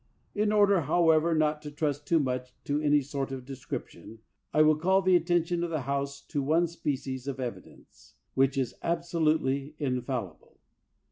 In order, however, not to trust too much to any sort of description, I will call the attention of IV 5 65 THE WORLD'S FAMOUS ORATIONS the House to one species of evidence, which is absolutely infallible.